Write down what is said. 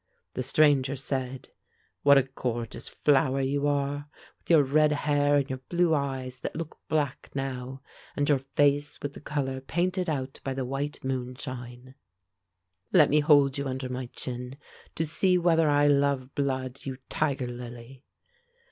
The stranger said, "What a gorgeous flower you are, with your red hair, and your blue eyes that look black now, and your face with the color painted out by the white moonshine! Let me hold you under my chin, to see whether I love blood, you tiger lily!"